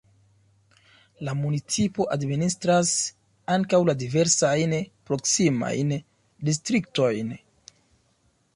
La municipo administras ankaŭ la diversajn proksimajn distriktojn.